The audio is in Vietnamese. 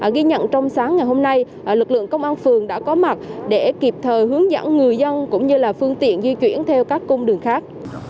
ghi nhận trong sáng ngày hôm nay lực lượng công an phường đã có mặt để kịp thời hướng dẫn người dân cũng như là phương tiện di chuyển theo các cung đường khác